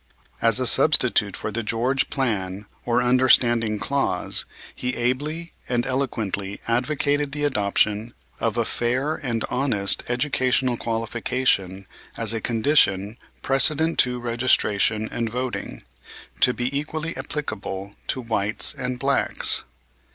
As a substitute for the George plan or understanding clause, he ably and eloquently advocated the adoption of a fair and honest educational qualification as a condition precedent to registration and voting, to be equally applicable to whites and blacks.